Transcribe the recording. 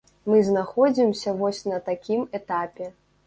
Мы знаходзімся вось на такім этапе.